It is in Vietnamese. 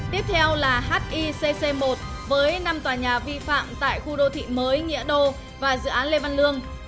tiếp theo là hicc một với năm tòa nhà vi phạm tại khu đô thị mới nghĩa đô và dự án lê văn lương